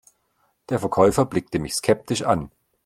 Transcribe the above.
Der Verkäufer blickte mich skeptisch an.